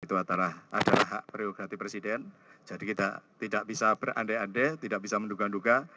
itu adalah hak prerogatif presiden jadi kita tidak bisa berandai andai tidak bisa menduga duga